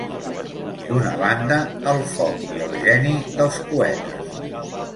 D'una banda, el foc i el geni dels poetes.